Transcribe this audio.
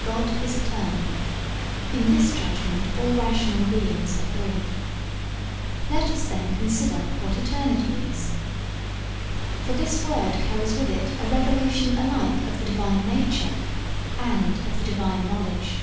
'God is eternal; in this judgment all rational beings agree. Let us, then, consider what eternity is. For this word carries with it a revelation alike of the Divine nature and of the Divine knowledge.